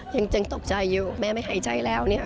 ยังตกใจอยู่แม่ไม่หายใจแล้วเนี่ย